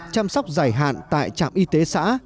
chăm sóc dài hạn tại trạm y tế xã